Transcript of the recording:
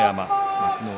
幕内